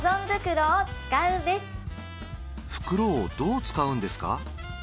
袋をどう使うんですか？